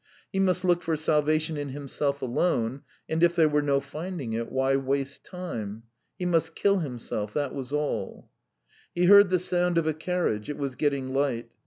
He must look for salvation in himself alone, and if there were no finding it, why waste time? He must kill himself, that was all. ... He heard the sound of a carriage. It was getting light.